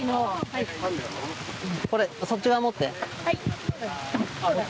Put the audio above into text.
これ、そっち側持って。